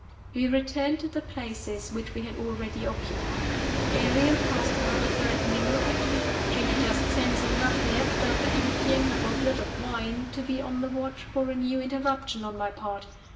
We returned to the places which we had already occupied. Ariel cast another threatening look at me. She had just sense enough left, after emptying her goblet of wine, to be on the watch for a new interruption on my part.